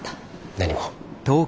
何も。